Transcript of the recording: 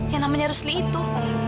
yang namanya rusli itu